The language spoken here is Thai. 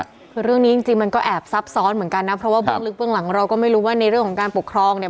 คือเรื่องนี้จริงมันก็แอบซับซ้อนเหมือนกันนะเพราะว่าเราก็ไม่รู้ว่าในเรื่องของการปกครองเนี่ย